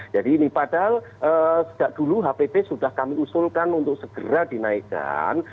jadi ini padahal sudah dulu hpt sudah kami usulkan untuk segera dinaikkan